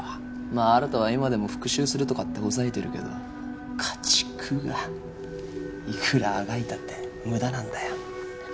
まあ新は今でも復讐するとかってほざいてるけど家畜がいくらあがいたって無駄なんだよ。